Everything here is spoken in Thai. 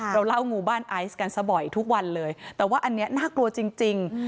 เราเล่างูบ้านไอซ์กันซะบ่อยทุกวันเลยแต่ว่าอันนี้น่ากลัวจริง